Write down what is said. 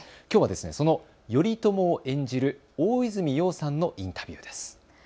きょうはその頼朝を演じる大泉洋さんのインタビューです。